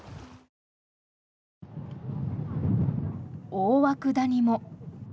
大涌谷も。